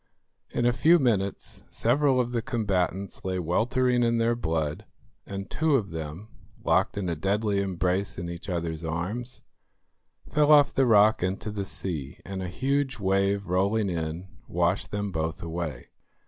In a few minutes several of the combatants lay weltering in their blood, and two of them, locked in a deadly embrace in each other's arms, fell off the rock into the sea, and a huge wave rolling in washed them both away.